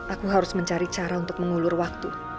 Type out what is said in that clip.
aku harus mencari cara untuk mengulur waktu